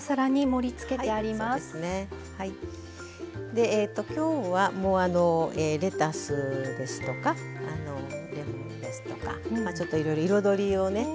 でえと今日はもうあのレタスですとかレモンですとかちょっといろいろ彩りをね